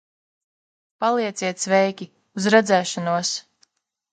Palieciet sveiki, uz redzēšanos!